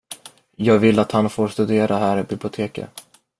Jag vill att han får studera här i biblioteket.